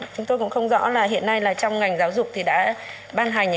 chúng tôi cũng không rõ là hiện nay là trong ngành giáo dục thì đã ban hành